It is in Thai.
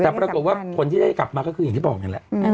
แต่ปรากฏว่าคนที่ได้กลับมาก็คืออย่างที่บอกเหมือนกันแหละอืม